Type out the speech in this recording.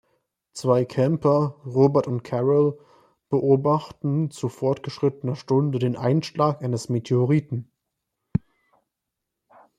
Zwei Camper, Robert und Carol, beobachten zu fortgeschrittener Stunde den Einschlag eines Meteoriten.